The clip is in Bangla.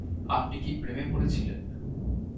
আপনি কি প্রেমে পড়েছিলেন?